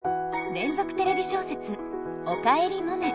連続テレビ小説「おかえりモネ」。